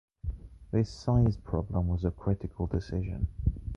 This size problem was a critical decision.